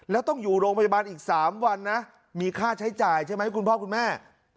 แล้วต้องอยู่โรงพยาบาลอีก๓วันนะมีค่าใช้จ่ายใช่ไหมคุณพ่อคุณแม่